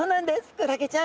クラゲちゃん。